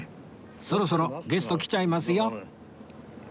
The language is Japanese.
そろそろゲスト来ちゃいますよ